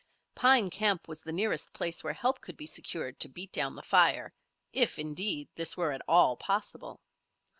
Pine Camp was the nearest place where help could be secured to beat down the fire, if, indeed, this were at all possible.